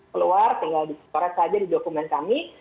keluar tinggal di koret saja di dokumen kami